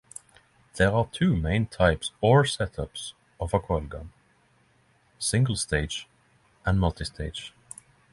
There are two main types or setups of a coilgun: single-stage and multistage.